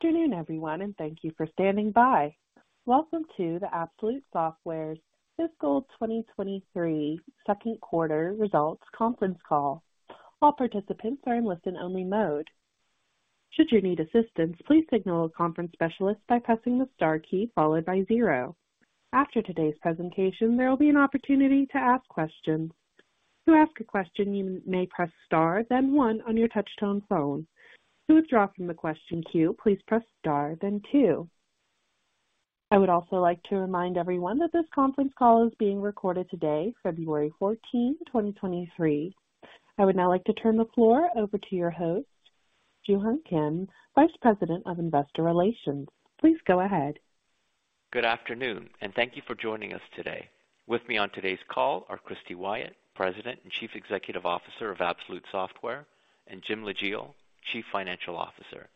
Good afternoon, everyone, and thank you for standing by. Welcome to the Absolute Software's fiscal 2023 second quarter results conference call. All participants are in listen-only mode. Should you need assistance, please signal a conference specialist by pressing the star key followed by zero. After today's presentation, there will be an opportunity to ask questions. To ask a question, you may press star then one on your touchtone phone. To withdraw from the question queue, please press star then two. I would also like to remind everyone that this conference call is being recorded today, February 14th, 2023. I would now like to turn the floor over to your host, Joo-Hun Kim, Vice President of Investor Relations. Please go ahead. Good afternoon, and thank you for joining us today. With me on today's call are Christy Wyatt, President and Chief Executive Officer of Absolute Software, and Jim Lejeal, Chief Financial Officer.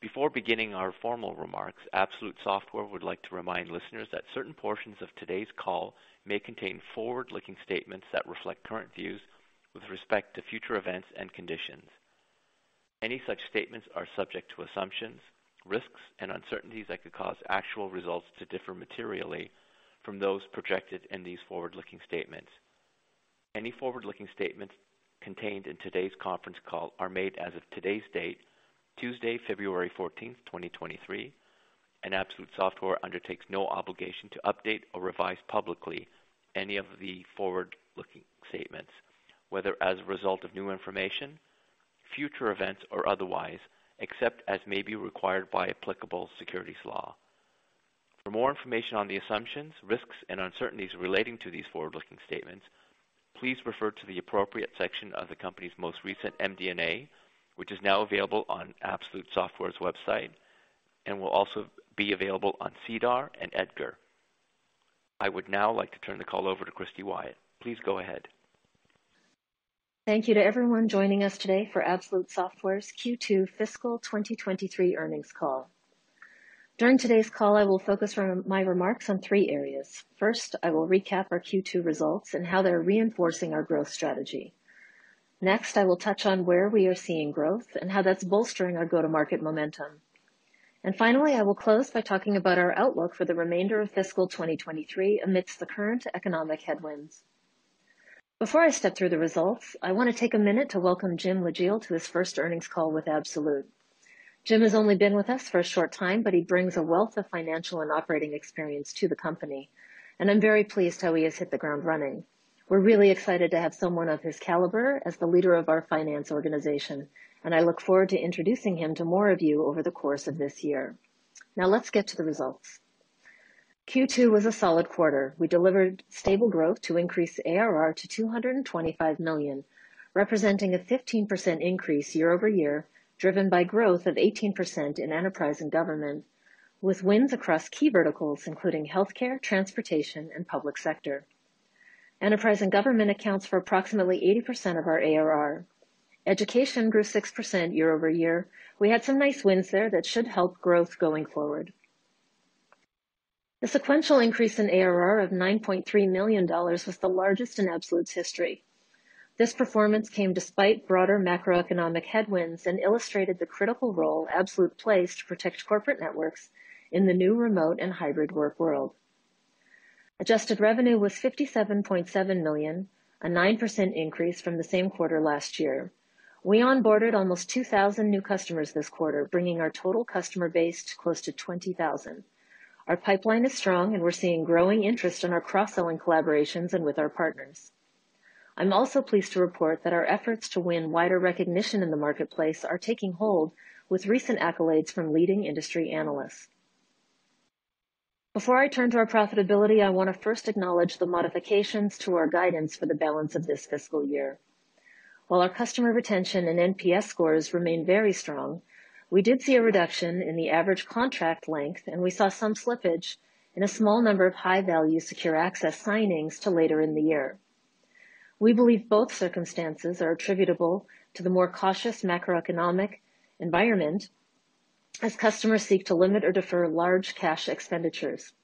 Before beginning our formal remarks, Absolute Software would like to remind listeners that certain portions of today's call may contain forward-looking statements that reflect current views with respect to future events and conditions. Any such statements are subject to assumptions, risks, and uncertainties that could cause actual results to differ materially from those projected in these forward-looking statements. Any forward-looking statements contained in today's conference call are made as of today's date, Tuesday, February 14th, 2023. Absolute Software undertakes no obligation to update or revise publicly any of the forward-looking statements, whether as a result of new information, future events, or otherwise, except as may be required by applicable securities law. For more information on the assumptions, risks, and uncertainties relating to these forward-looking statements, please refer to the appropriate section of the company's most recent MD&A, which is now available on Absolute Software's website and will also be available on SEDAR and EDGAR. I would now like to turn the call over to Christy Wyatt. Please go ahead. Thank you to everyone joining us today for Absolute Software's Q2 fiscal 2023 earnings call. During today's call, I will focus my remarks on three areas. First, I will recap our Q2 results and how they're reinforcing our growth strategy. Next, I will touch on where we are seeing growth and how that's bolstering our go-to-market momentum. Finally, I will close by talking about our outlook for the remainder of fiscal 2023 amidst the current economic headwinds. Before I step through the results, I want to take a minute to welcome Jim Lejeal to his first earnings call with Absolute. Jim has only been with us for a short time, but he brings a wealth of financial and operating experience to the company, and I'm very pleased how he has hit the ground running. We're really excited to have someone of his caliber as the leader of our finance organization, and I look forward to introducing him to more of you over the course of this year. Now let's get to the results. Q2 was a solid quarter. We delivered stable growth to increase ARR to $225 million, representing a 15% increase year-over-year, driven by growth of 18% in Enterprise and government, with wins across key verticals including healthcare, transportation, and public sector. Enterprise and government accounts for approximately 80% of our ARR. Education grew 6% year-over-year. We had some nice wins there that should help growth going forward. The sequential increase in ARR of $9.3 million was the largest in Absolute's history. This performance came despite broader macroeconomic headwinds and illustrated the critical role Absolute plays to protect corporate networks in the new remote and hybrid work world. Adjusted revenue was $57.7 million, a 9% increase from the same quarter last year. We onboarded almost 2,000 new customers this quarter, bringing our total customer base to close to 20,000. Our pipeline is strong, and we're seeing growing interest in our cross-selling collaborations and with our partners. I'm also pleased to report that our efforts to win wider recognition in the marketplace are taking hold with recent accolades from leading industry analysts. Before I turn to our profitability, I want to first acknowledge the modifications to our guidance for the balance of this fiscal year. While our customer retention and NPS scores remain very strong, we did see a reduction in the average contract length, and we saw some slippage in a small number of high-value Secure Access signings to later in the year. We believe both circumstances are attributable to the more cautious macroeconomic environment as customers seek to limit or defer large cash expenditures.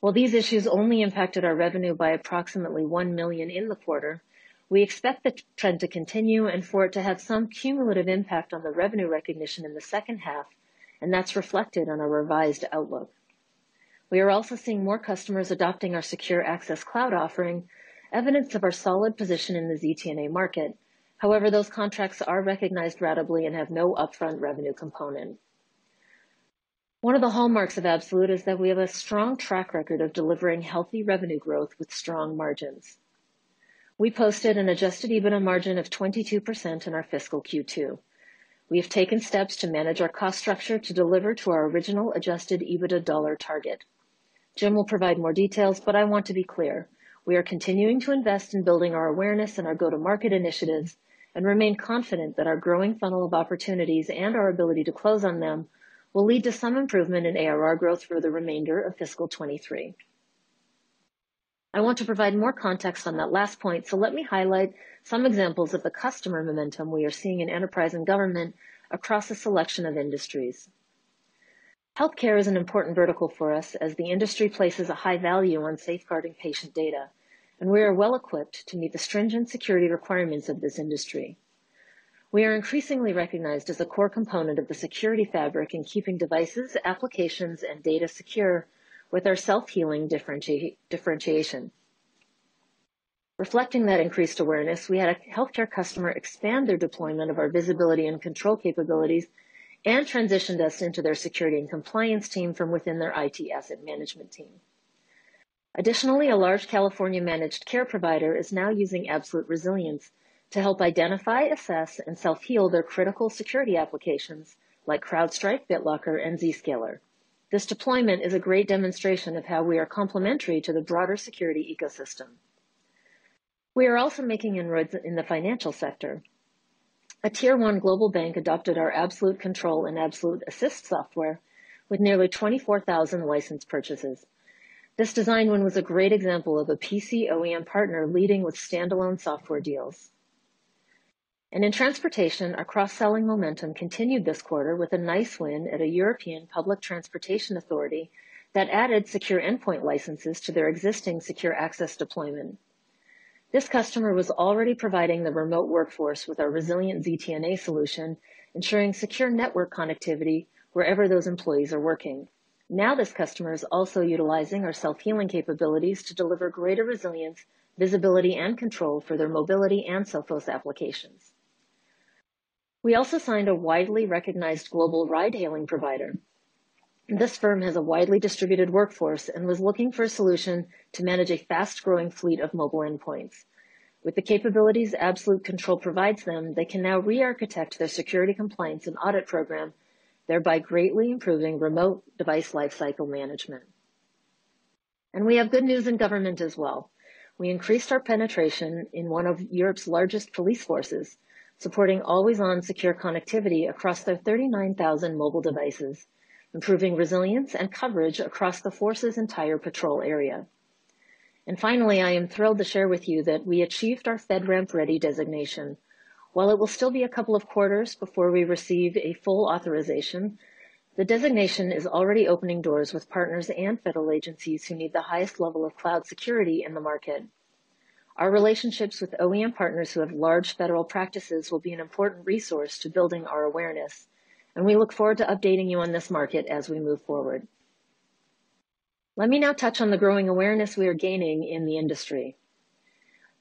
While these issues only impacted our revenue by approximately $1 million in the quarter, we expect the trend to continue and for it to have some cumulative impact on the revenue recognition in the second half, and that's reflected on our revised outlook. We are also seeing more customers adopting our Secure Access Cloud offering, evidence of our solid position in the ZTNA market. Those contracts are recognized ratably and have no upfront revenue component. One of the hallmarks of Absolute is that we have a strong track record of delivering healthy revenue growth with strong margins. We posted an adjusted EBITDA margin of 22% in our fiscal Q2. We have taken steps to manage our cost structure to deliver to our original adjusted EBITDA dollar target. Jim will provide more details. I want to be clear, we are continuing to invest in building our awareness and our go-to-market initiatives and remain confident that our growing funnel of opportunities and our ability to close on them will lead to some improvement in ARR growth for the remainder of fiscal 2023. I want to provide more context on that last point, so let me highlight some examples of the customer momentum we are seeing in enterprise and government across a selection of industries. Healthcare is an important vertical for us as the industry places a high value on safeguarding patient data, and we are well-equipped to meet the stringent security requirements of this industry. We are increasingly recognized as a core component of the security fabric in keeping devices, applications, and data secure with our self-healing differentiation. Reflecting that increased awareness, we had a healthcare customer expand their deployment of our visibility and control capabilities and transitioned us into their security and compliance team from within their IT asset management team. Additionally, a large California managed care provider is now using Absolute Resilience to help identify, assess, and self-heal their critical security applications like CrowdStrike, BitLocker, and Zscaler. This deployment is a great demonstration of how we are complementary to the broader security ecosystem. We are also making inroads in the financial sector. A Tier 1 global bank adopted our Absolute Control and Absolute Assist software with nearly 24,000 license purchases. This design win was a great example of a PC OEM partner leading with standalone software deals. In transportation, our cross-selling momentum continued this quarter with a nice win at a European Public Transportation Authority that added secure endpoint licenses to their existing secure access deployment. This customer was already providing the remote workforce with our resilient ZTNA solution, ensuring secure network connectivity wherever those employees are working. Now this customer is also utilizing our self-healing capabilities to deliver greater resilience, visibility, and control for their mobility and Sophos applications. We also signed a widely recognized global ride-hailing provider. This firm has a widely distributed workforce and was looking for a solution to manage a fast-growing fleet of mobile endpoints. With the capabilities Absolute Control provides them, they can now re-architect their security compliance and audit program, thereby greatly improving remote device lifecycle management. We have good news in government as well. We increased our penetration in one of Europe’s largest police forces, supporting always-on secure connectivity across their 39,000 mobile devices, improving resilience and coverage across the force’s entire patrol area. Finally, I am thrilled to share with you that we achieved our FedRAMP Ready designation. While it will still be a couple of quarters before we receive a full authorization, the designation is already opening doors with partners and federal agencies who need the highest level of cloud security in the market. Our relationships with OEM partners who have large federal practices will be an important resource to building our awareness. We look forward to updating you on this market as we move forward. Let me now touch on the growing awareness we are gaining in the industry.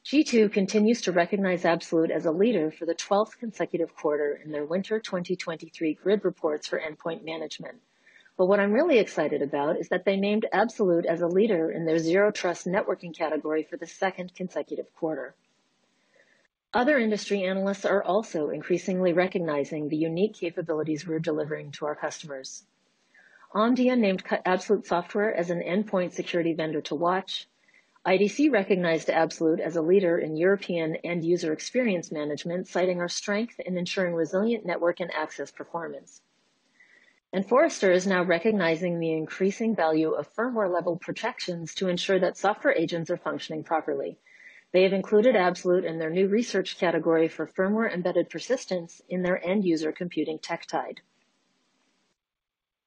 G2 continues to recognize Absolute as a leader for the 12th consecutive quarter in their Winter 2023 Grid Reports for Endpoint Management. What I'm really excited about is that they named Absolute as a leader in their Zero Trust Networking category for the second consecutive quarter. Other industry analysts are also increasingly recognizing the unique capabilities we're delivering to our customers. Omdia named Absolute Software as an endpoint security vendor to watch. IDC recognized Absolute as a leader in European end-user experience management, citing our strength in ensuring resilient network and access performance. Forrester is now recognizing the increasing value of firmware-level protections to ensure that software agents are functioning properly. They have included Absolute in their new research category for firmware-embedded persistence in their End-User Computing Tech Tide.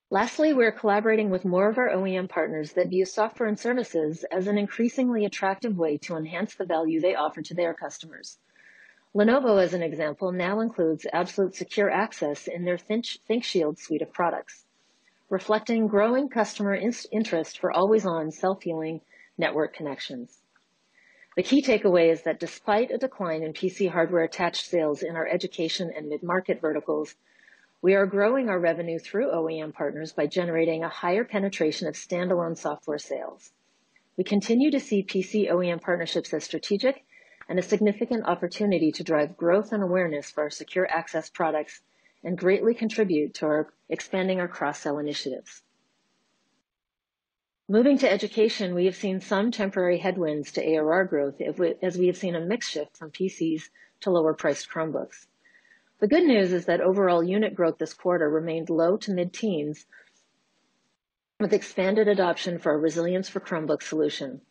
Lastly, we are collaborating with more of our OEM partners that view software and services as an increasingly attractive way to enhance the value they offer to their customers. Lenovo, as an example, now includes Absolute Secure Access in their ThinkShield suite of products, reflecting growing customer interest for always-on self-healing network connections. The key takeaway is that despite a decline in PC hardware attached sales in our education and mid-market verticals, we are growing our revenue through OEM partners by generating a higher penetration of standalone software sales. We continue to see PC OEM partnerships as strategic and a significant opportunity to drive growth and awareness for our secure access products and greatly contribute to our expanding our cross-sell initiatives. Moving to education, we have seen some temporary headwinds to ARR growth as we have seen a mix shift from PCs to lower-priced Chromebooks. The good news is that overall unit growth this quarter remained low to mid-teens with expanded adoption for our Resilience for Chromebooks solution.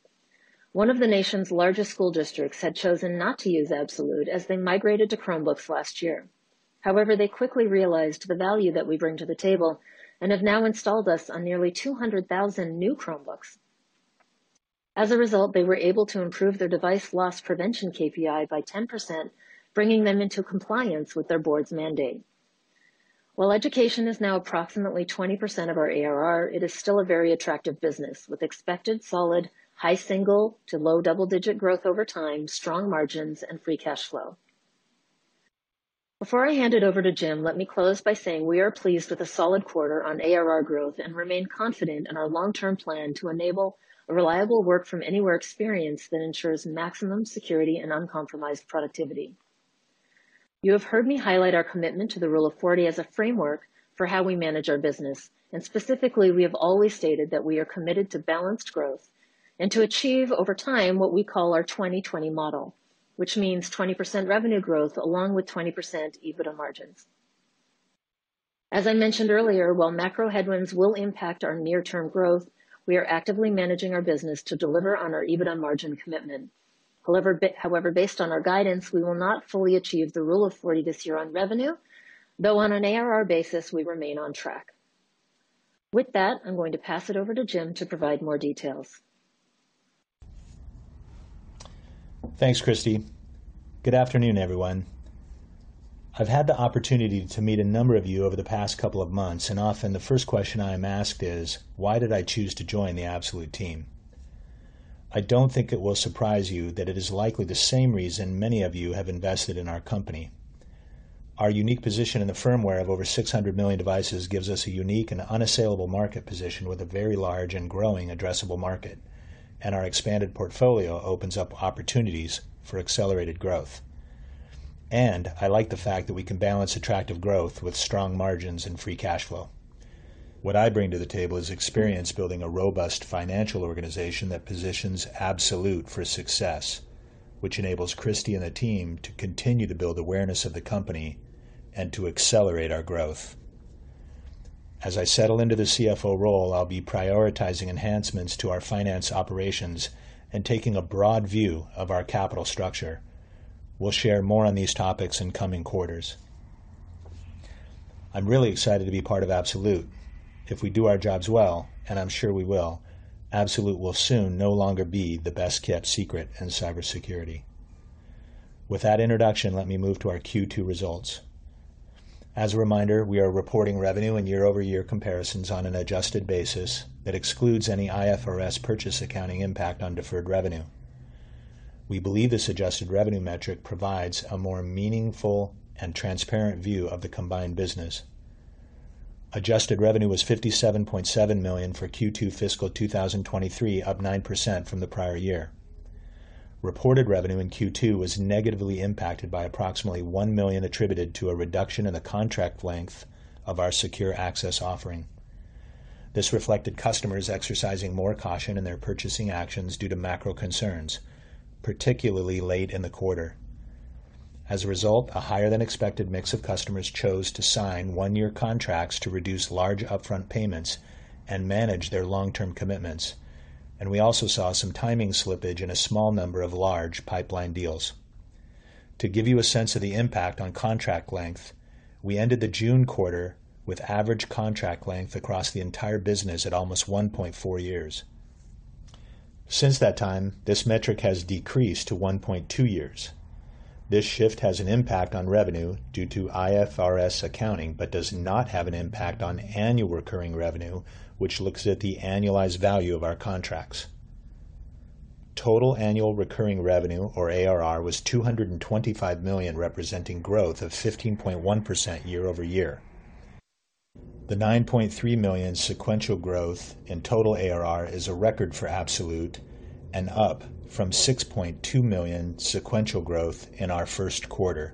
One of the nation's largest school districts had chosen not to use Absolute as they migrated to Chromebooks last year. However, they quickly realized the value that we bring to the table and have now installed us on nearly 200,000 new Chromebooks. As a result, they were able to improve their device loss prevention KPI by 10%, bringing them into compliance with their board's mandate. While education is now approximately 20% of our ARR, it is still a very attractive business with expected solid high single- to low double-digit growth over time, strong margins, and free cash flow. Before I hand it over to Jim, let me close by saying we are pleased with a solid quarter on ARR growth and remain confident in our long-term plan to enable a reliable work from anywhere experience that ensures maximum security and uncompromised productivity. You have heard me highlight our commitment to the Rule of 40 as a framework for how we manage our business. Specifically, we have always stated that we are committed to balanced growth and to achieve over time what we call our 20/20 model, which means 20% revenue growth along with 20% EBITDA margins. As I mentioned earlier, while macro headwinds will impact our near-term growth, we are actively managing our business to deliver on our EBITDA margin commitment. However, based on our guidance, we will not fully achieve the Rule of 40 this year on revenue, though on an ARR basis, we remain on track. With that, I'm going to pass it over to Jim to provide more details. Thanks, Christy. Good afternoon, everyone. I've had the opportunity to meet a number of you over the past couple of months, and often the first question I am asked is, why did I choose to join the Absolute team? I don't think it will surprise you that it is likely the same reason many of you have invested in our company. Our unique position in the firmware of over 600 million devices gives us a unique and unassailable market position with a very large and growing addressable market. Our expanded portfolio opens up opportunities for accelerated growth. I like the fact that we can balance attractive growth with strong margins and free cash flow. What I bring to the table is experience building a robust financial organization that positions Absolute for success, which enables Christy and the team to continue to build awareness of the company and to accelerate our growth. As I settle into the CFO role, I'll be prioritizing enhancements to our finance operations and taking a broad view of our capital structure. We'll share more on these topics in coming quarters. I'm really excited to be part of Absolute. If we do our jobs well, and I'm sure we will, Absolute will soon no longer be the best-kept secret in cybersecurity. With that introduction, let me move to our Q2 results. As a reminder, we are reporting revenue and year-over-year comparisons on an adjusted basis that excludes any IFRS purchase accounting impact on deferred revenue. We believe this adjusted revenue metric provides a more meaningful and transparent view of the combined business. Adjusted revenue was $57.7 million for Q2 fiscal 2023, up 9% from the prior year. Reported revenue in Q2 was negatively impacted by approximately $1 million attributed to a reduction in the contract length of our secure access offering. This reflected customers exercising more caution in their purchasing actions due to macro concerns, particularly late in the quarter. As a result, a higher-than-expected mix of customers chose to sign one year contracts to reduce large upfront payments and manage their long-term commitments. We also saw some timing slippage in a small number of large pipeline deals. To give you a sense of the impact on contract length, we ended the June quarter with average contract length across the entire business at almost 1.4 years. Since that time, this metric has decreased to 1.2 years. This shift has an impact on revenue due to IFRS accounting, but does not have an impact on annual recurring revenue, which looks at the annualized value of our contracts. Total annual recurring revenue, or ARR, was $225 million, representing growth of 15.1% year-over-year. The $9.3 million sequential growth in total ARR is a record for Absolute and up from $6.2 million sequential growth in our first quarter.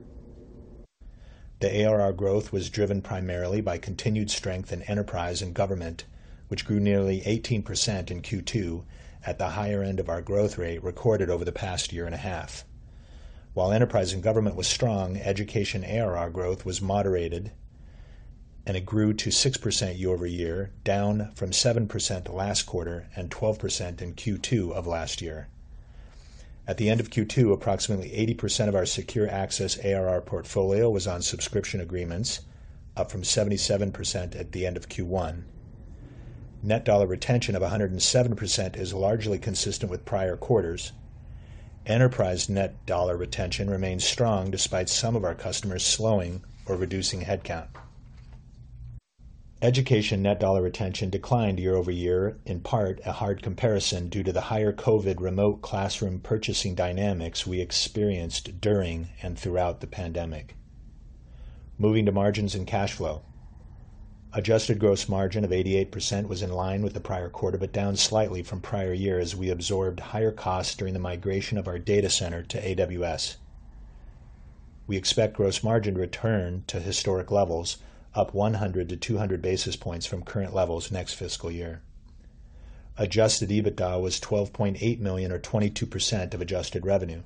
The ARR growth was driven primarily by continued strength in enterprise and government, which grew nearly 18% in Q2 at the higher end of our growth rate recorded over the past year and a half. While enterprise and government was strong, education ARR growth was moderated. It grew to 6% year-over-year, down from 7% last quarter and 12% in Q2 of last year. At the end of Q2, approximately 80% of our Secure Access ARR portfolio was on subscription agreements, up from 77% at the end of Q1. Net dollar retention of 107% is largely consistent with prior quarters. Enterprise net dollar retention remains strong despite some of our customers slowing or reducing headcount. Education net dollar retention declined year-over-year, in part a hard comparison due to the higher COVID remote classroom purchasing dynamics we experienced during and throughout the pandemic. Moving to margins and cash flow. Adjusted gross margin of 88% was in line with the prior quarter, but down slightly from prior year as we absorbed higher costs during the migration of our data center to AWS. We expect gross margin return to historic levels, up 100 basis points-200 basis points from current levels next fiscal year. Adjusted EBITDA was $12.8 million or 22% of adjusted revenue.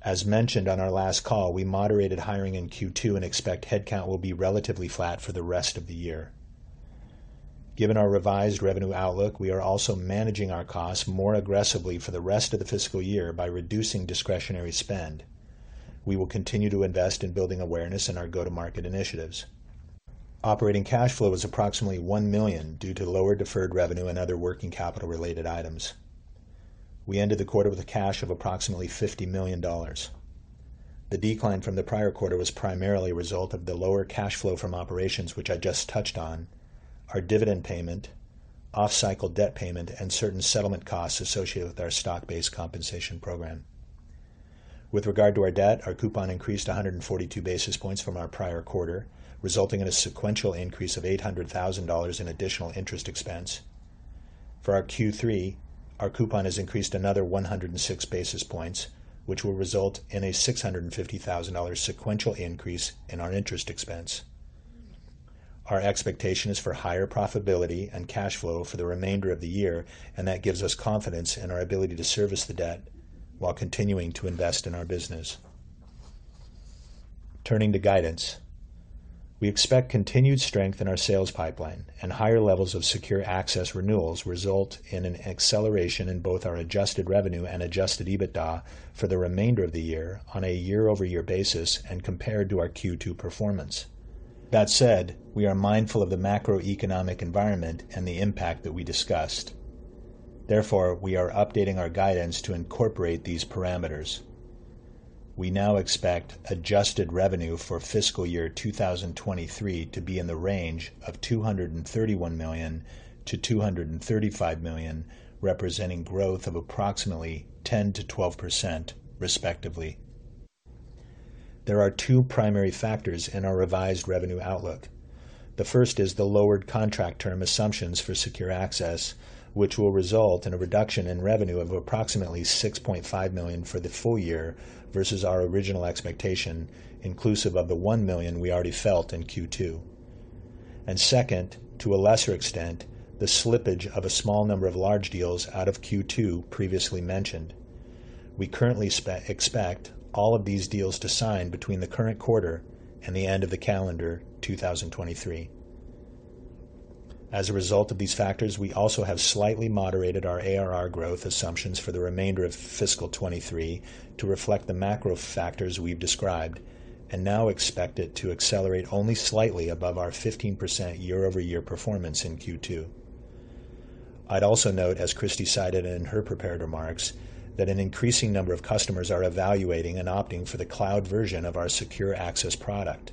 As mentioned on our last call, we moderated hiring in Q2 and expect headcount will be relatively flat for the rest of the year. Given our revised revenue outlook, we are also managing our costs more aggressively for the rest of the fiscal year by reducing discretionary spend. We will continue to invest in building awareness in our go-to-market initiatives. Operating cash flow was approximately $1 million due to lower deferred revenue and other working capital related items. We ended the quarter with a cash of approximately $50 million. The decline from the prior quarter was primarily a result of the lower cash flow from operations, which I just touched on, our dividend payment, off-cycle debt payment, and certain settlement costs associated with our stock-based compensation program. With regard to our debt, our coupon increased 142 basis points from our prior quarter, resulting in a sequential increase of $800,000 in additional interest expense. For our Q3, our coupon has increased another 106 basis points, which will result in a $650,000 sequential increase in our interest expense. Our expectation is for higher profitability and cash flow for the remainder of the year, That gives us confidence in our ability to service the debt while continuing to invest in our business. Turning to guidance. We expect continued strength in our sales pipeline and higher levels of Secure Access renewals result in an acceleration in both our adjusted revenue and adjusted EBITDA for the remainder of the year on a year-over-year basis and compared to our Q2 performance. That said, we are mindful of the macroeconomic environment and the impact that we discussed. Therefore, we are updating our guidance to incorporate these parameters. We now expect adjusted revenue for fiscal year 2023 to be in the range of $231 million-$235 million, representing growth of approximately 10%-12% respectively. There are two primary factors in our revised revenue outlook. The first is the lowered contract term assumptions for Absolute Secure Access, which will result in a reduction in revenue of approximately $6.5 million for the full year versus our original expectation, inclusive of the $1 million we already felt in Q2. Second, to a lesser extent, the slippage of a small number of large deals out of Q2 previously mentioned. We currently expect all of these deals to sign between the current quarter and the end of the calendar 2023. As a result of these factors, we also have slightly moderated our ARR growth assumptions for the remainder of fiscal 2023 to reflect the macro factors we've described and now expect it to accelerate only slightly above our 15% year-over-year performance in Q2. I'd also note, as Christy cited in her prepared remarks, that an increasing number of customers are evaluating and opting for the cloud version of our Secure Access product.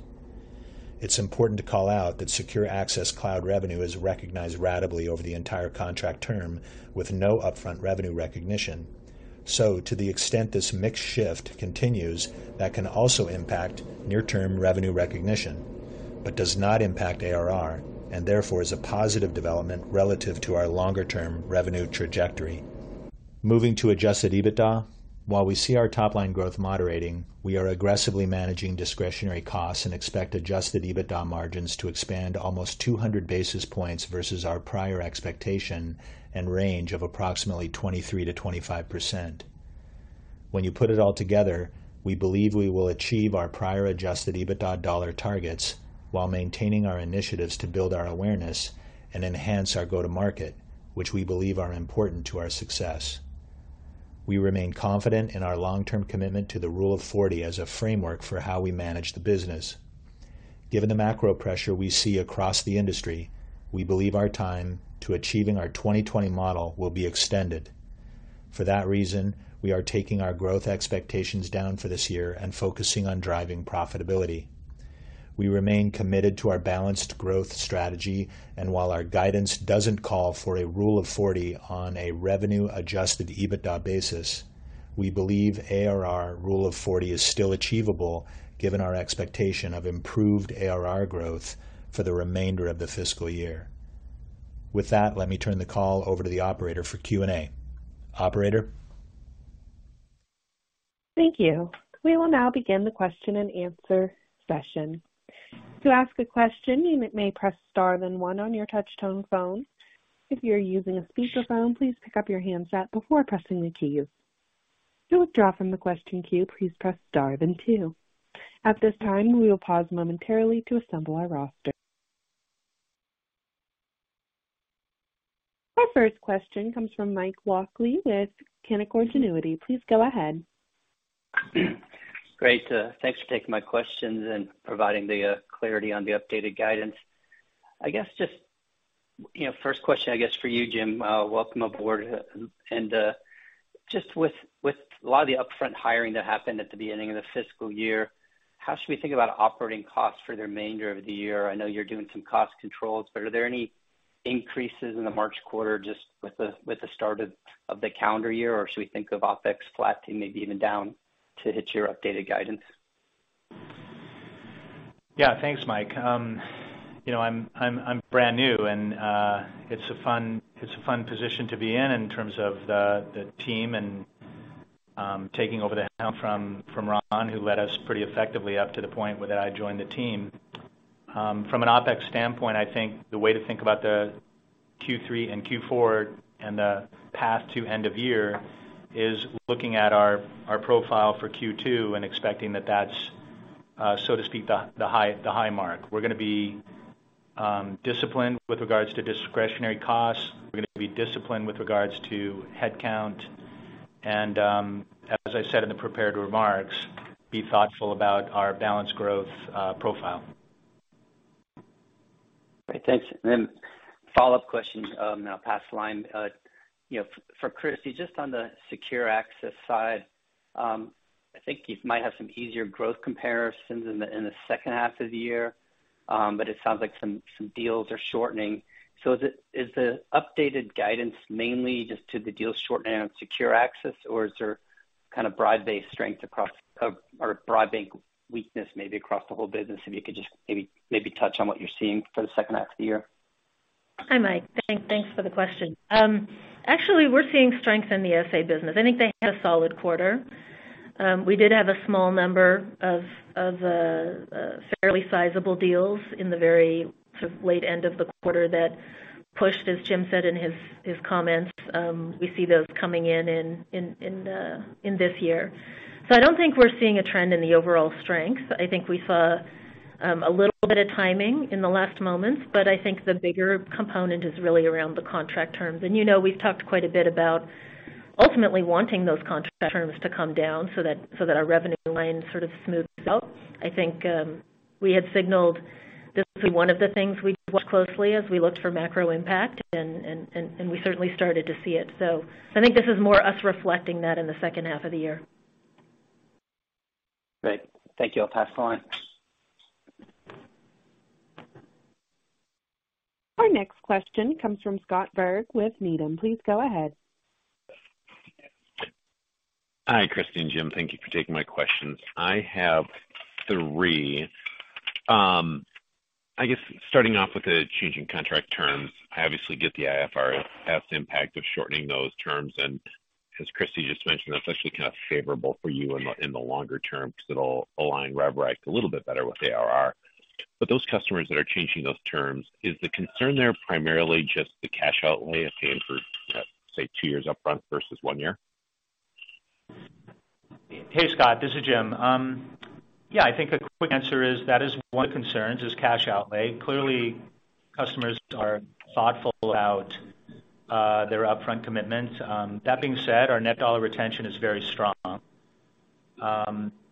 It's important to call out that Secure Access Cloud revenue is recognized ratably over the entire contract term with no upfront revenue recognition. To the extent this mixed shift continues, that can also impact near-term revenue recognition, but does not impact ARR, and therefore is a positive development relative to our longer-term revenue trajectory. Moving to adjusted EBITDA. While we see our top line growth moderating, we are aggressively managing discretionary costs and expect adjusted EBITDA margins to expand almost 200 basis points versus our prior expectation and range of approximately 23%-25%. When you put it all together, we believe we will achieve our prior adjusted EBITDA dollar targets while maintaining our initiatives to build our awareness and enhance our go-to-market, which we believe are important to our success. We remain confident in our long-term commitment to the Rule of 40 as a framework for how we manage the business. Given the macro pressure we see across the industry, we believe our time to achieving our 20/20 model will be extended. For that reason, we are taking our growth expectations down for this year and focusing on driving profitability. We remain committed to our balanced growth strategy. While our guidance doesn't call for a Rule of 40 on a revenue-adjusted EBITDA basis, we believe ARR Rule of 40 is still achievable given our expectation of improved ARR growth for the remainder of the fiscal year. With that, let me turn the call over to the operator for Q&A. Operator? Thank you. We will now begin the question-and-answer session. To ask a question, you may press star then one on your touchtone phone. If you're using a speakerphone, please pick up your handset before pressing the queue. To withdraw from the question queue, please press star then two. At this time, we will pause momentarily to assemble our roster. Our first question comes from Mike Walkley with Canaccord Genuity. Please go ahead. Great. Thanks for taking my questions and providing the clarity on the updated guidance. I guess just, you know, first question, I guess, for you, Jim, welcome aboard. Just with a lot of the upfront hiring that happened at the beginning of the fiscal year, how should we think about operating costs for the remainder of the year? I know you're doing some cost controls, but are there any increases in the March quarter just with the start of the calendar year? Or should we think of OpEx flat to maybe even down to hit your updated guidance? Yeah. Thanks, Mike. You know, I'm brand new and it's a fun, it's a fun position to be in in terms of the team and taking over the helm from Ron, who led us pretty effectively up to the point where that I joined the team. From an OpEx standpoint, I think the way to think about the Q3 and Q4 and the path to end of year is looking at our profile for Q2 and expecting that that's so to speak, the high mark. We're gonna be disciplined with regards to discretionary costs. We're gonna be disciplined with regards to headcount. As I said in the prepared remarks, be thoughtful about our balanced growth profile. Great. Thanks. Follow-up question, now past line. You know, for Christy, just on the Secure Access side, I think you might have some easier growth comparisons in the, in the second half of the year, but it sounds like some deals are shortening. Is the updated guidance mainly just to the deal shortening on Secure Access, or is there kind of broad-based strength across or broad-based weakness maybe across the whole business? If you could just maybe touch on what you're seeing for the second half of the year. Hi, Mike. Thanks for the question. Actually, we're seeing strength in the SA business. I think they had a solid quarter. We did have a small number of fairly sizable deals in the very sort of late end of the quarter that pushed, as Jim said in his comments. We see those coming in this year. I don't think we're seeing a trend in the overall strength. I think we saw a little bit of timing in the last moments, but I think the bigger component is really around the contract terms. You know, we've talked quite a bit about ultimately wanting those contract terms to come down so that our revenue line sort of smooths out. I think, we had signaled this was one of the things we watched closely as we looked for macro impact, and we certainly started to see it. I think this is more us reflecting that in the second half of the year. Great. Thank you. I'll pass the line. Our next question comes from Scott Berg with Needham. Please go ahead. Hi, Christy and Jim. Thank you for taking my questions. I have three. I guess starting off with the changing contract terms, I obviously get the IFRS impact of shortening those terms, and as Christy just mentioned, that's actually kind of favorable for you in the, in the longer term because it'll align rev rec a little bit better with ARR. Those customers that are changing those terms, is the concern there primarily just the cash outlay of paying for, say, two years up front versus one year? Hey, Scott, this is Jim. Yeah, I think a quick answer is that is one of the concerns, is cash outlay. Clearly, customers are thoughtful about their upfront commitments. That being said, our net dollar retention is very strong.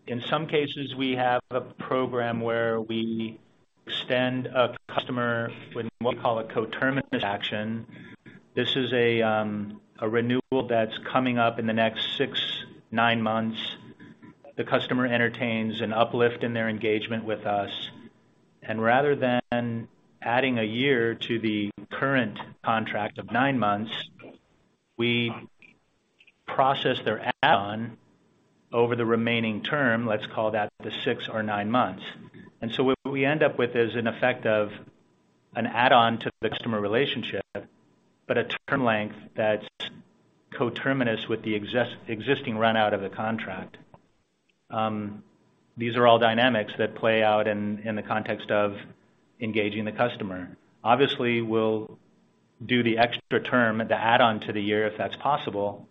In some cases, we have a program where we extend a customer with what we call a coterminous action. This is a renewal that's coming up in the next six, nine months. The customer entertains an uplift in their engagement with us, rather than adding a year to the current contract of nine months, we process their add-on over the remaining term, let's call that the six or nine months. What we end up with is an effect of an add-on to the customer relationship, but a term length that's coterminous with the existing run out of the contract. These are all dynamics that play out in the context of engaging the customer. Obviously, we'll do the extra term, the add-on to the year, if that's possible.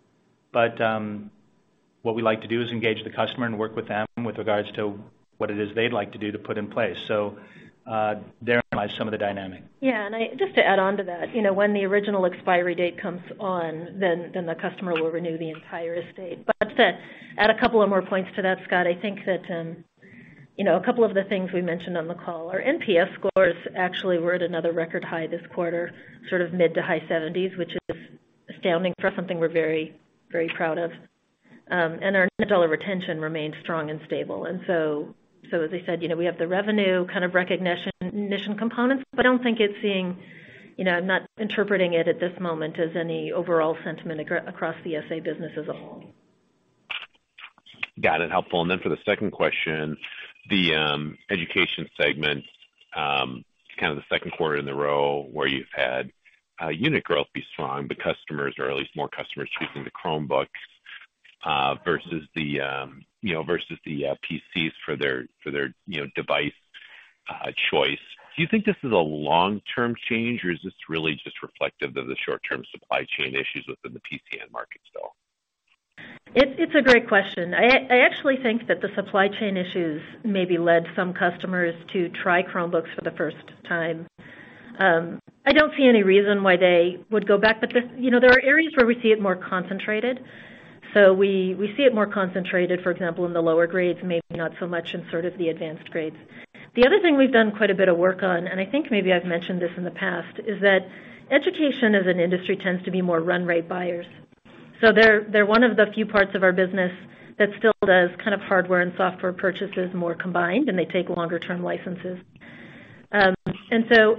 What we like to do is engage the customer and work with them with regards to what it is they'd like to do to put in place. Therein lies some of the dynamic. Just to add on to that, you know, when the original expiry date comes on, then the customer will renew the entire estate. To add a couple of more points to that, Scott, I think that, you know, a couple of the things we mentioned on the call, our NPS scores actually were at another record high this quarter, sort of mid to high 70s, which is astounding for us, something we're very, very proud of. Our net dollar retention remains strong and stable. So as I said, you know, we have the revenue kind of recognition mission components, but I don't think it's seeing, you know, I'm not interpreting it at this moment as any overall sentiment across the SA business as a whole. Got it. Helpful. For the second question, the education segment, kind of the second quarter in a row where you've had unit growth be strong, but customers, or at least more customers choosing the Chromebooks versus the, you know, versus the PCs for their, for their, you know, device choice. Do you think this is a long-term change, or is this really just reflective of the short-term supply chain issues within the PCN market still? It's a great question. I actually think that the supply chain issues maybe led some customers to try Chromebooks for the first time. I don't see any reason why they would go back, but there, you know, there are areas where we see it more concentrated. We see it more concentrated, for example, in the lower grades, maybe not so much in sort of the advanced grades. The other thing we've done quite a bit of work on, and I think maybe I've mentioned this in the past, is that education as an industry tends to be more run rate buyers. They're one of the few parts of our business that still does kind of hardware and software purchases more combined, and they take longer-term licenses.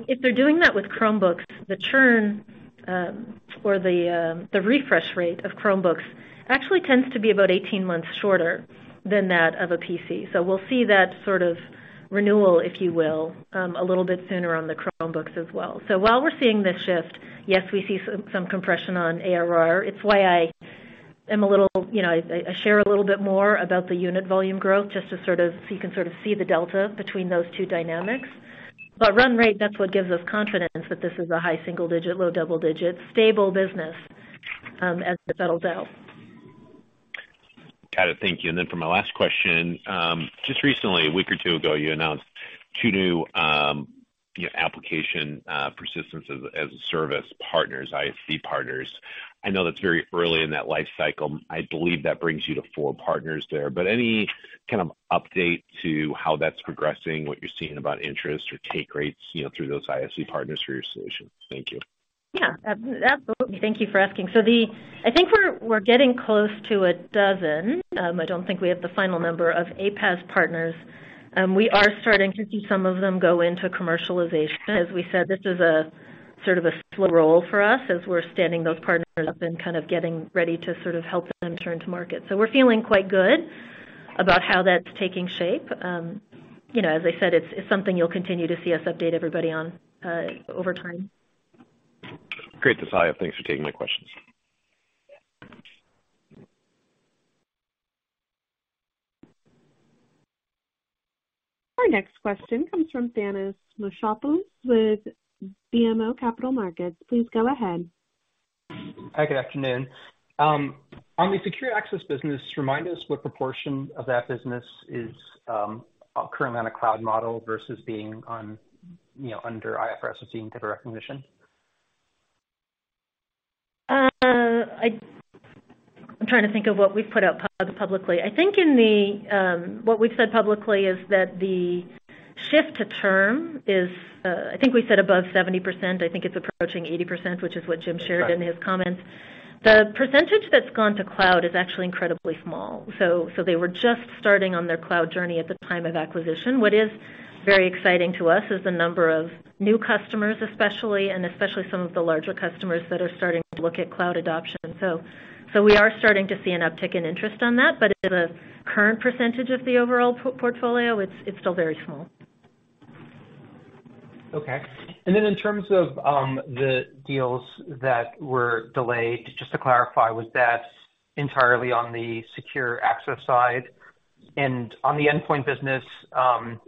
If they're doing that with Chromebooks, the churn, or the refresh rate of Chromebooks actually tends to be about 18 months shorter than that of a PC. We'll see that sort of renewal, if you will, a little bit sooner on the Chromebooks as well. While we're seeing this shift, yes, we see some compression on ARR. It's why I am a little, you know, I share a little bit more about the unit volume growth just to sort of see the delta between those two dynamics. Run rate, that's what gives us confidence that this is a high single-digit, low double-digit stable business as it settles out. Got it. Thank you. For my last question, just recently, a week or two ago, you announced two new, you know, application persistence as a service partners, ISV partners. I know that's very early in that life cycle. I believe that brings you to four partners there. Any kind of update to how that's progressing, what you're seeing about interest or take rates, you know, through those ISV partners for your solution? Thank you. Absolutely. Thank you for asking. I think we're getting close to 12. I don't think we have the final number of APAS partners. We are starting to see some of them go into commercialization. As we said, this is a sort of a slow roll for us as we're standing those partners up and kind of getting ready to sort of help them turn to market. We're feeling quite good about how that's taking shape. You know, as I said, it's something you'll continue to see us update everybody on over time. Great insight. Thanks for taking my questions. Our next question comes from Thanos Moschopoulos with BMO Capital Markets. Please go ahead. Hi, good afternoon. On the secure access business, remind us what proportion of that business is, currently on a cloud model versus being on, you know, under IFRS or seeing type of recognition? I'm trying to think of what we've put out publicly. I think in the, what we've said publicly is that the shift to term is, I think we said above 70%. I think it's approaching 80%, which is what Jim shared in his comments. The percentage that's gone to cloud is actually incredibly small. They were just starting on their cloud journey at the time of acquisition. What is very exciting to us is the number of new customers, especially, and especially some of the larger customers that are starting to look at cloud adoption. We are starting to see an uptick in interest on that, but as a current percentage of the overall portfolio, it's still very small. Okay. In terms of the deals that were delayed, just to clarify, was that entirely on the secure access side? On the endpoint business,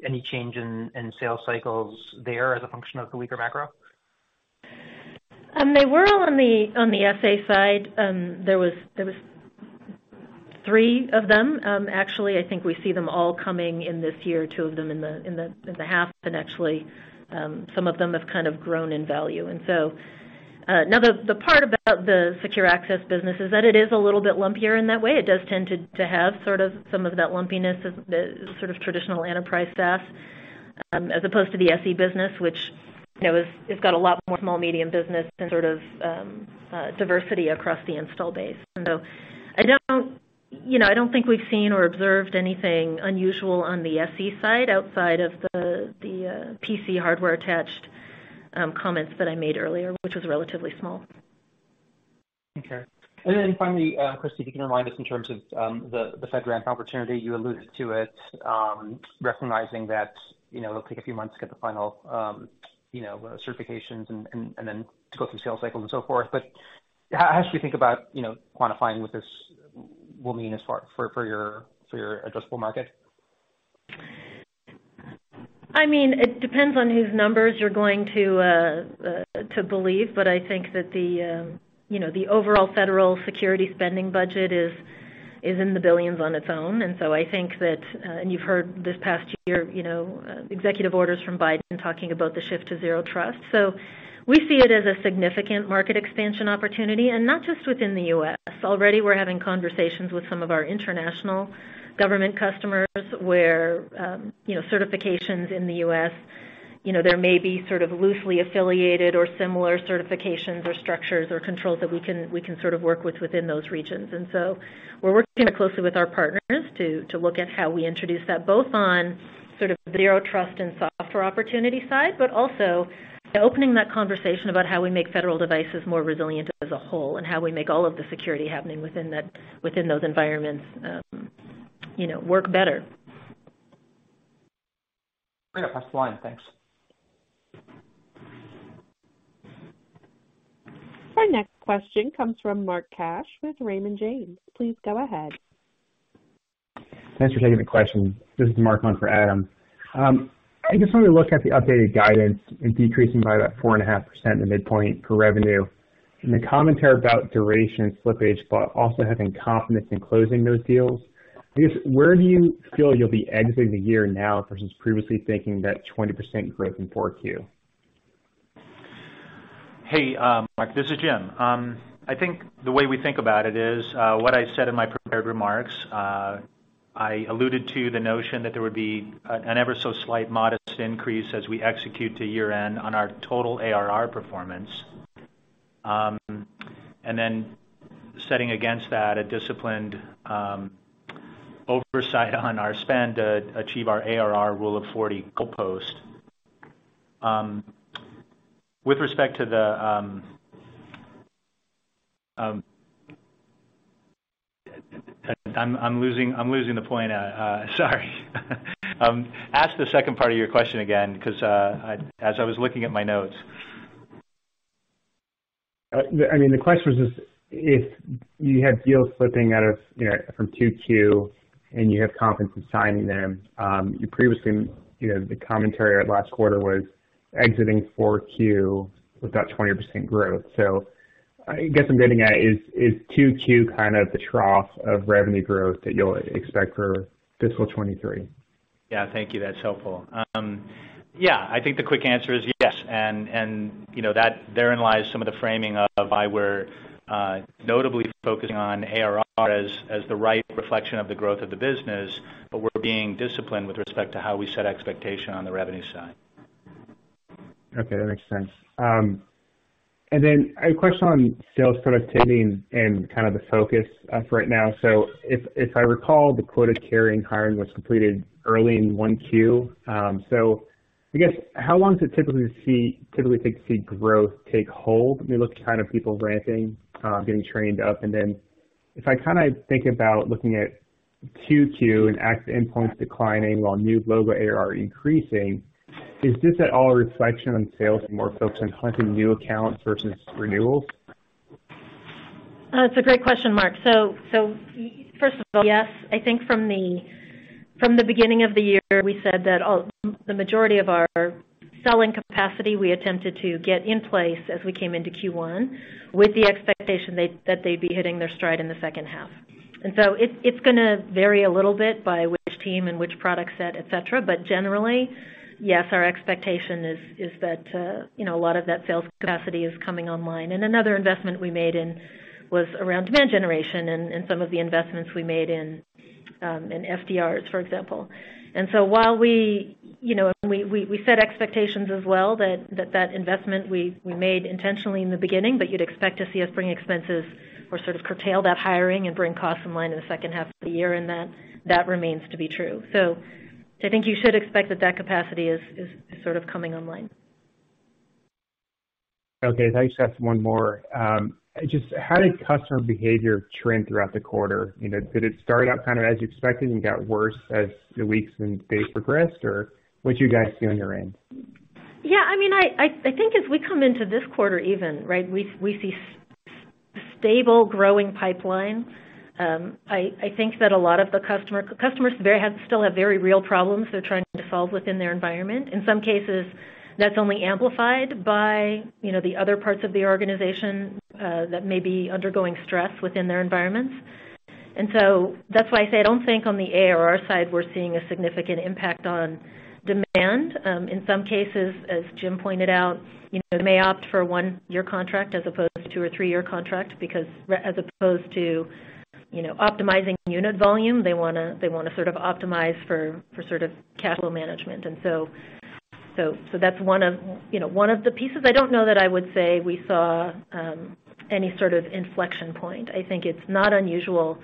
any change in sales cycles there as a function of the weaker macro? They were all on the SA side. There was three of them. Actually, I think we see them all coming in this year, two of them in the half. Actually, some of them have kind of grown in value. Now the part about the secure access business is that it is a little bit lumpier in that way. It does tend to have sort of some of that lumpiness of the sort of traditional enterprise SaaS, as opposed to the SE business, which, you know, it's got a lot more small, medium business and sort of diversity across the install base. I don't, you know, I don't think we've seen or observed anything unusual on the SE side outside of the PC hardware attached, comments that I made earlier, which was relatively small. Okay. Then finally, Christy, if you can remind us in terms of the FedRAMP opportunity, you alluded to it, recognizing that, you know, it'll take a few months to get the final, you know, certifications and then to go through the sales cycle and so forth. How should we think about, you know, quantifying what this will mean for your adjustable market? I mean, it depends on whose numbers you're going to to believe. I think that the, you know, the overall Federal security spending budget is in the billions on its own. I think that, and you've heard this past year, you know, executive orders from Biden talking about the shift to Zero Trust. We see it as a significant market expansion opportunity, and not just within the U.S. Already, we're having conversations with some of our international government customers where, you know, certifications in the U.S., you know, there may be sort of loosely affiliated or similar certifications or structures or controls that we can sort of work with within those regions. We're working closely with our partners to look at how we introduce that, both on sort of Zero Trust and software opportunity side, but also opening that conversation about how we make federal devices more resilient as a whole and how we make all of the security happening within that, within those environments, you know, work better. Great. I'll pass the line. Thanks. Our next question comes from Mark Cash with Raymond James. Please go ahead. Thanks for taking the question. This is Mark on for Adam. I just wanted to look at the updated guidance in decreasing by about 4.5% in the midpoint for revenue and the commentary about duration slippage, but also having confidence in closing those deals. I guess, where do you feel you'll be exiting the year now versus previously thinking that 20% growth in 4Q? Hey, Mark, this is Jim. I think the way we think about it is what I said in my prepared remarks. I alluded to the notion that there would be an ever so slight modest increase as we execute to year-end on our total ARR performance. Setting against that a disciplined oversight on our spend to achieve our ARR Rule of 40 goalpost. With respect to the... I'm losing the point. Sorry. Ask the second part of your question again because I as I was looking at my notes. I mean, the question was just if you had deals slipping out of, you know, from 2Q and you have confidence in signing them, you previously, you know, the commentary at last quarter was exiting 4Q with that 20% growth. I guess I'm getting at is 2Q kind of the trough of revenue growth that you'll expect for fiscal 2023? Yeah. Thank you. That's helpful. Yeah, I think the quick answer is yes, and, you know, therein lies some of the framing of why we're notably focusing on ARR as the right reflection of the growth of the business. We're being disciplined with respect to how we set expectation on the revenue side. Okay. That makes sense. A question on sales productivity and kind of the focus for right now. If I recall, the quoted carrying hiring was completed early in 1Q. I guess, how long does it typically take to see growth take hold when you look at kind of people ramping, getting trained up? If I kinda think about looking at 2Q and active endpoints declining while new logo ARR increasing, is this at all a reflection on sales more focused on hunting new accounts versus renewals? It's a great question, Mark. First of all, yes, I think from the beginning of the year, we said that the majority of our selling capacity we attempted to get in place as we came into Q1 with the expectation that they'd be hitting their stride in the second half. It's gonna vary a little bit by which team and which product set, et cetera. Generally, yes, our expectation is that, you know, a lot of that sales capacity is coming online. Another investment we made in was around demand generation and some of the investments we made in FDRs, for example. While we, you know, we set expectations as well that investment we made intentionally in the beginning, but you'd expect to see us bring expenses or sort of curtail that hiring and bring costs in line in the second half of the year, and that remains to be true. I think you should expect that that capacity is sort of coming online. Okay. If I could just ask one more. Just how did customer behavior trend throughout the quarter? You know, did it start out kind of as you expected and got worse as the weeks and days progressed? What'd you guys see on your end? Yeah, I mean, I think as we come into this quarter even, right, we see stable growing pipeline. I think that a lot of the customers still have very real problems they're trying to solve within their environment. In some cases, that's only amplified by, you know, the other parts of the organization that may be undergoing stress within their environments. That's why I say I don't think on the ARR side we're seeing a significant impact on demand. In some cases, as Jim pointed out, you know, they may opt for 1 year contract as opposed to 2 or 3-year contract because as opposed to, you know, optimizing unit volume, they wanna sort of optimize for sort of capital management. So that's one of, you know, one of the pieces. I don't know that I would say we saw any sort of inflection point. I think it's not unusual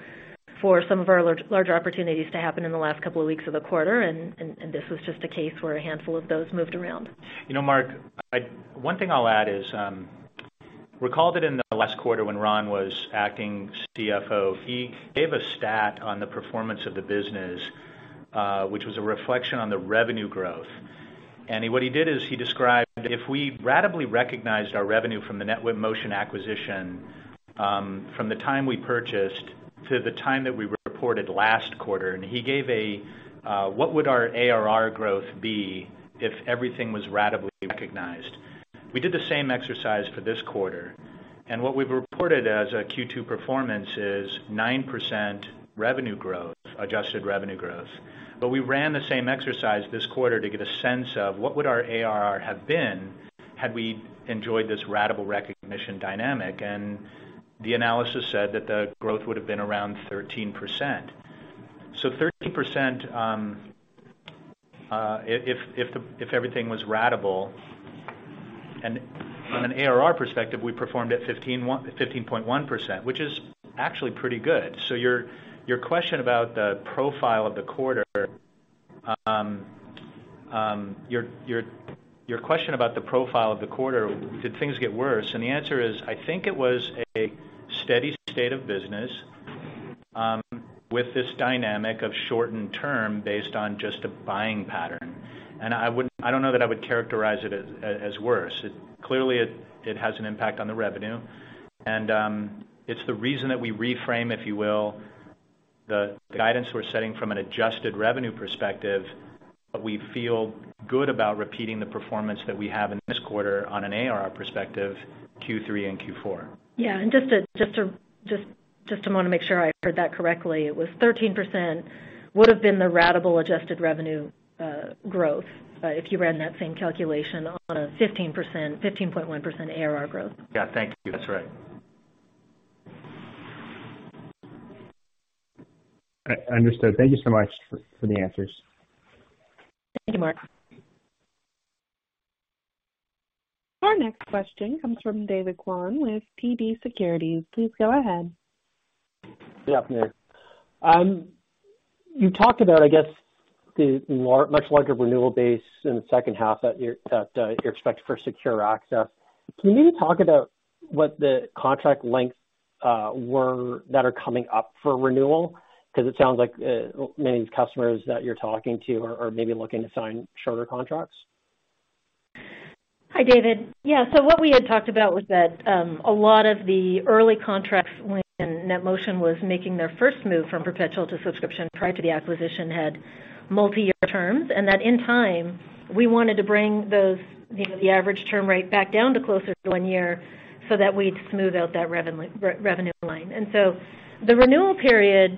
for some of our larger opportunities to happen in the last couple of weeks of the quarter and this was just a case where a handful of those moved around. You know, Mark, one thing I'll add is, recalled it in the last quarter when Ron was acting CFO. He gave a stat on the performance of the business, which was a reflection on the revenue growth. What he did is he described if we ratably recognized our revenue from the NetMotion acquisition, from the time we purchased to the time that we reported last quarter, and he gave a, what would our ARR growth be if everything was ratably recognized. We did the same exercise for this quarter. What we've reported as a Q2 performance is 9% revenue growth, adjusted revenue growth. We ran the same exercise this quarter to get a sense of what would our ARR have been had we enjoyed this ratable recognition dynamic. The analysis said that the growth would've been around 13%. 13%, if everything was ratable. From an ARR perspective, we performed at 15.1%, which is actually pretty good. Your question about the profile of the quarter, did things get worse? The answer is, I think it was a steady state of business with this dynamic of shortened term based on just a buying pattern. I don't know that I would characterize it as worse. Clearly it has an impact on the revenue, and it's the reason that we reframe, if you will, the guidance we're setting from an adjusted revenue perspective, but we feel good about repeating the performance that we have in this quarter on an ARR perspective, Q3 and Q4. Yeah. Just to wanna make sure I heard that correctly, it was 13% would've been the ratable adjusted revenue growth if you ran that same calculation on a 15.1% ARR growth. Yeah. Thank you. That's right. Understood. Thank you so much for the answers. Thank you, Mark. Our next question comes from David Kwan with TD Securities. Please go ahead. Good afternoon. You talked about, I guess, much larger renewal base in the second half that you expect for Secure Access. Can you talk about what the contract lengths were that are coming up for renewal? 'Cause it sounds like many of these customers that you're talking to are maybe looking to sign shorter contracts. Hi, David. Yeah. What we had talked about was that a lot of the early contracts when NetMotion was making their first move from perpetual to subscription prior to the acquisition had multi-year terms. In time, we wanted to bring those, you know, the average term right back down to closer to one year so that we'd smooth out that re-revenue line. The renewal period,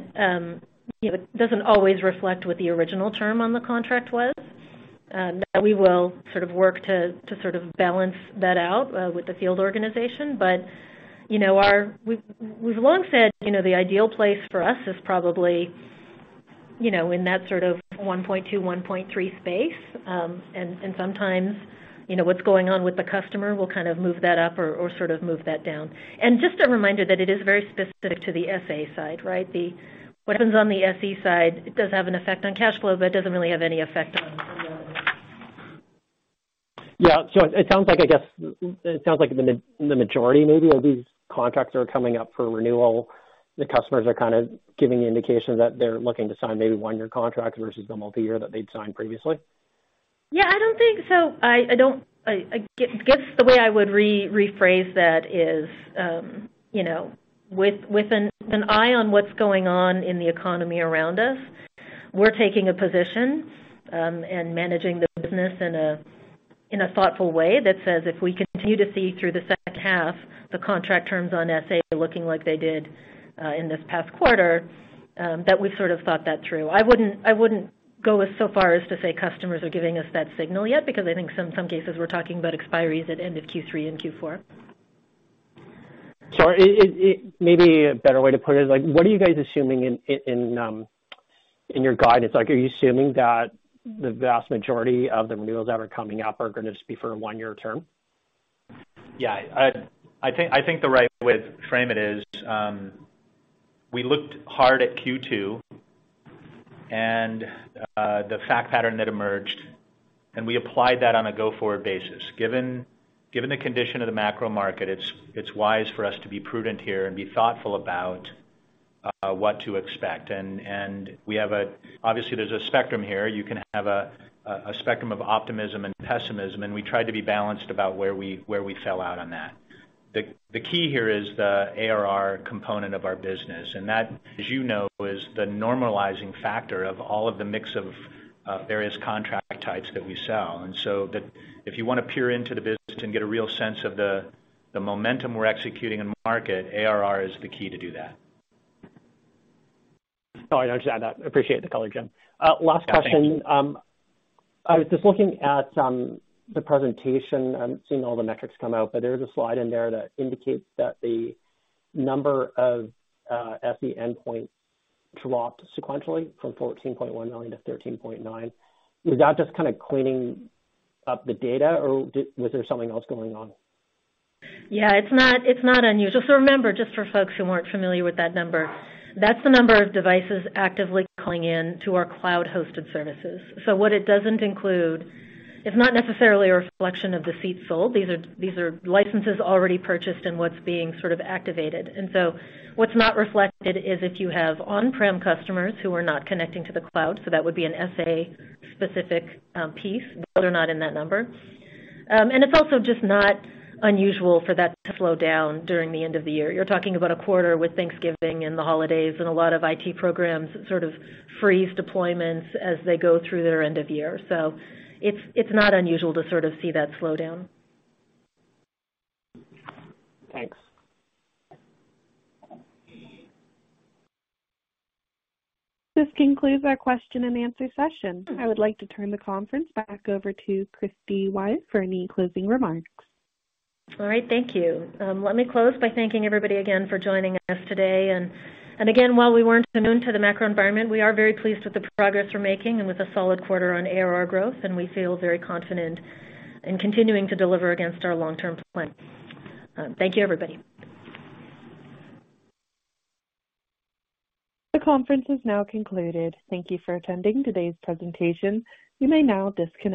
you know, it doesn't always reflect what the original term on the contract was. We will sort of work to sort of balance that out with the field organization. You know, we've long said, you know, the ideal place for us is probably, you know, in that sort of 1.2, 1.3 space. Sometimes, you know, what's going on with the customer, we'll kind of move that up or sort of move that down. Just a reminder that it is very specific to the SA side, right. What happens on the SE side, it does have an effect on cash flow, but it doesn't really have any effect on renewal. Yeah. It sounds like, I guess. It sounds like the majority maybe of these contracts are coming up for renewal. The customers are kind of giving the indication that they're looking to sign maybe one year contracts versus the multi-year that they'd signed previously. Yeah, I don't think so. I don't. I guess the way I would rephrase that is, you know, with an eye on what's going on in the economy around us, we're taking a position and managing the business in a thoughtful way that says if we continue to see through the second half the contract terms on SA looking like they did in this past quarter, that we've sort of thought that through. I wouldn't go so far as to say customers are giving us that signal yet because I think some cases we're talking about expiries at end of Q3 and Q4. Sorry, maybe a better way to put it is, like, what are you guys assuming in your guidance? Like, are you assuming that the vast majority of the renewals that are coming up are gonna just be for a one-year term? Yeah. I think the right way to frame it is, we looked hard at Q2 and the fact pattern that emerged, and we applied that on a go-forward basis. Given the condition of the macro market, it's wise for us to be prudent here and be thoughtful about what to expect. Obviously, there's a spectrum here. You can have a spectrum of optimism and pessimism, and we try to be balanced about where we fell out on that. The key here is the ARR component of our business, and that, as you know, is the normalizing factor of all of the mix of various contract types that we sell. If you wanna peer into the business and get a real sense of the momentum we're executing in the market, ARR is the key to do that. Sorry. I appreciate the color, Jim. Last question. I was just looking at the presentation. I'm seeing all the metrics come out, but there's a slide in there that indicates that the number of SE endpoints dropped sequentially from 14.1 million to 13.9. Is that just kinda cleaning up the data, or was there something else going on? Yeah, it's not, it's not unusual. Remember, just for folks who aren't familiar with that number, that's the number of devices actively calling in to our cloud-hosted services. What it doesn't include, it's not necessarily a reflection of the seats sold. These are licenses already purchased and what's being sort of activated. What's not reflected is if you have on-prem customers who are not connecting to the cloud, so that would be an SA-specific piece. Those are not in that number. It's also just not unusual for that to slow down during the end of the year. You're talking about a quarter with Thanksgiving and the holidays and a lot of IT programs sort of freeze deployments as they go through their end of year. It's not unusual to sort of see that slowdown. Thanks. This concludes our question-and-answer session. I would like to turn the conference back over to Kristi Wyatt for any closing remarks. All right. Thank you. Let me close by thanking everybody again for joining us today. Again, while we weren't immune to the macro environment, we are very pleased with the progress we're making and with a solid quarter on ARR growth, and we feel very confident in continuing to deliver against our long-term plan. Thank you, everybody. The conference has now concluded. Thank you for attending today's presentation. You may now disconnect.